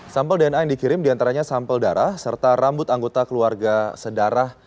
sampel dna yang dikirim diantaranya sampel darah serta rambut anggota keluarga sedarah